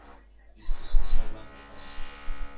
بیست و سه سالم است.